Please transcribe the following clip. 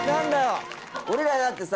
俺らだってさ